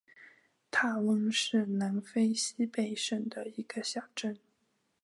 塔翁是南非西北省的一个小镇。